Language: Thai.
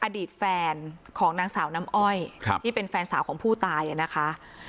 อดีตแฟนของนางสาวน้ำอ้อยที่เป็นแฟนสาวของผู้ตายนะคะ